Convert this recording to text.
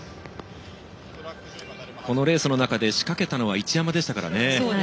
このレースの中で仕掛けたのは一山でしたからね。